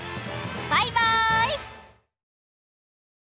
バイバイ！